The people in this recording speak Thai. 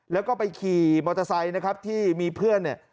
แล้วก็ไปขี่มอเตอร์ไซค์นะครับที่มีเพื่อนเนี่ย